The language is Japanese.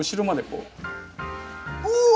うわ！